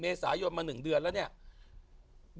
เมสาหยุดมา๑เดือนแล้ว